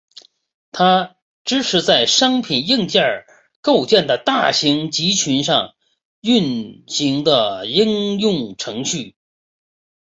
它支持在商品硬件构建的大型集群上运行的应用程序。